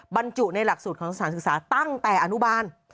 บรรจุในหลักสูตรของสถานศึกษาตั้งแต่อนุบาล